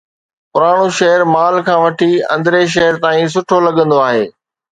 پراڻو شهر مال کان وٺي اندرين شهر تائين سٺو لڳندو آهي.